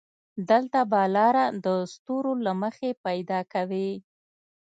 دلته به لاره د ستورو له مخې پيدا کوې.